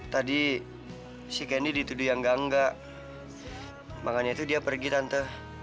tadi si kendi dituduh yang gangga makanya dia pergi tante